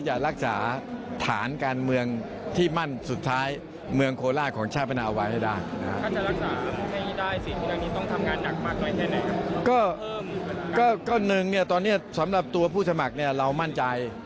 หนึ่งสำหรับผู้สมัครเรามั่นใจ